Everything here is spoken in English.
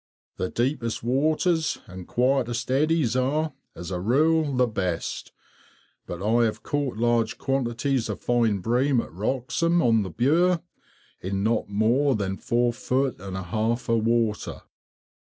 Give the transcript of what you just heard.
The deepest waters and quietest eddies are, as a rule, the best; but I have caught large quantities of fine bream at Wroxham, on the Bure, in not more than four feet and a half of water.